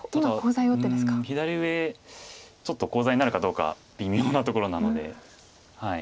左上ちょっとコウ材になるかどうか微妙なところなので。